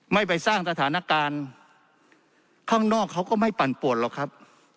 ไม่ไปสร้างสถานการณ์ข้างนอกเขาก็ไม่ปั่นป่วนหรอกครับ